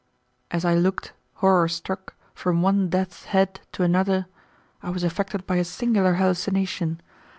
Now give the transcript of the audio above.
As I looked, horror struck, from one death's head to another, I was affected by a singular hallucination.